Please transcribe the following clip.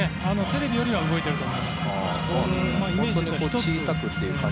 テレビよりは動いていると思います。